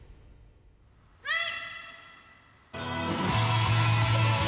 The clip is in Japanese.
はい！